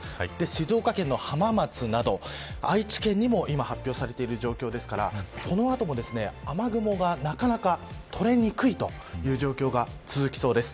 静岡県の浜松など愛知県にも今発表されている状況ですのでこの後も雨雲がなかなか取れにくいという状況が続きそうです。